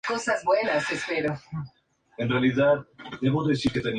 Informes más tardíos son contradictorios.